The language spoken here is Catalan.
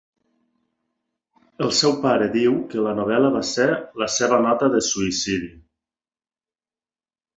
El seu pare diu que la novel·la va ser la seva nota de suïcidi.